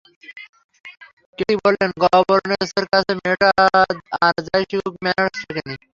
Katie বললে, গবর্নেসের কাছে মেয়েটা আর যাই শিখুক, ম্যানার্স শেখে নি।